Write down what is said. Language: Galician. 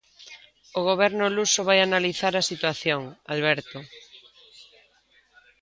O Goberno luso vai analizar a situación, Alberto...